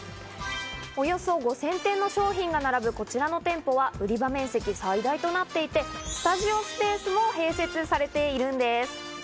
およそ５０００点の商品が並ぶこちらの店舗は売り場面積、最大となっていて、スタジオスペースも併設されているんです。